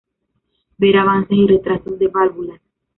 Ver Avances y retrasos de válvulas.